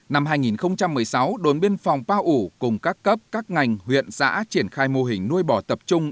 năm hai nghìn một mươi sáu đồn biên phòng pao ủ cùng các cấp các ngành huyện xã triển khai mô hình nuôi bò tập trung